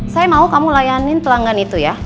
saya mau kamu layanin pelanggan itu ya